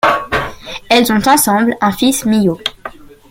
Elles ont ensemble un fils Mio.